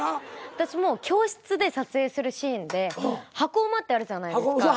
私も教室で撮影するシーンで箱馬ってあるじゃないですか。